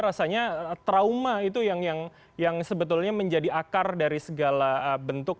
rasanya trauma itu yang sebetulnya menjadi akar dari segala bentuk